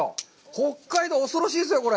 北海道、恐ろしいですよ、これ。